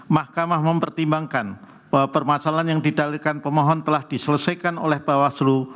mahkamah mempertimbangkan bahwa permasalahan yang didalikan pemohon telah diselesaikan oleh bawaslu